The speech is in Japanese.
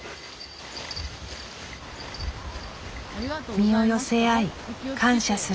「身を寄せ合い感謝する」。